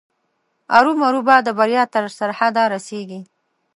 ارومرو به د بریا تر سرحده رسېږي.